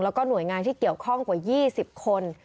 แล้วก็หน่วยงานที่เกี่ยวข้องกว่า๒๐คน